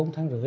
bốn tháng rưỡi